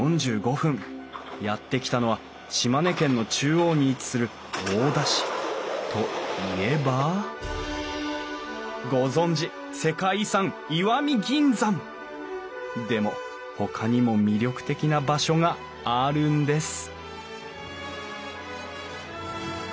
やって来たのは島根県の中央に位置する大田市。といえばご存じ世界遺産石見銀山！でもほかにも魅力的な場所があるんです